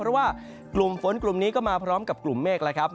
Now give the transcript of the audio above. เพราะว่ากลุ่มฝนกลุ่มนี้ก็มาพร้อมกับกลุ่มเมฆแล้วครับ